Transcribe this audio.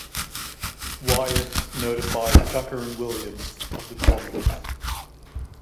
Wyeth notified Tucker and Williams of the problems.